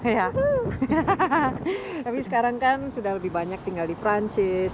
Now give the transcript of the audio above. tapi sekarang kan sudah lebih banyak tinggal di perancis